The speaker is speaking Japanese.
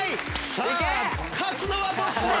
さあ勝つのはどっちだ？